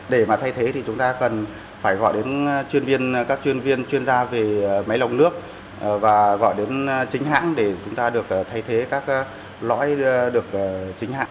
để thay thế chúng ta cần gọi đến các chuyên viên chuyên gia về máy lọc nước và gọi đến chính hãng để chúng ta được thay thế các lõi được chính hãng